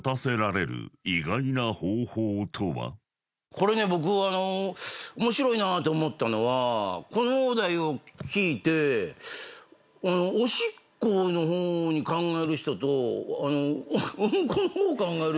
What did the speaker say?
これね僕面白いなと思ったのはこのお題を聞いておしっこの方に考える人とウンコの方考える。